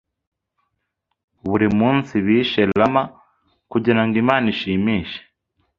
Buri munsi bishe llama kugirango Imana ishimishe.